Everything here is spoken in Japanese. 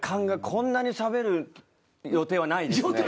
こんなにしゃべる予定はないですね。